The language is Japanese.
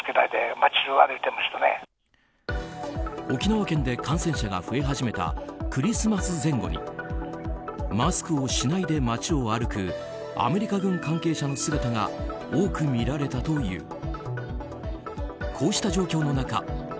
沖縄県で感染者が増え始めたクリスマス前後にマスクをしないで街を歩くアメリカ軍関係者の姿が多く見られたという。